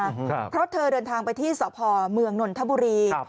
ครับเพราะเธอเดินทางไปที่สพเมืองนนทบุรีครับ